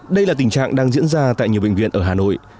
đây là tình trạng đang diễn ra tại nhiều bệnh viện ở hà nội